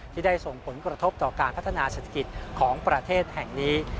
ที่ได้ส่งผลกระทบต่อการพัฒนาเศรษฐกิจของประเทศแห่งนี้